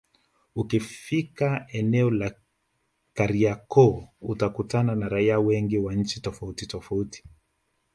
Ukifika eneo la Kariakoo utakutana na raia wengi wa nchi tofauti tofauti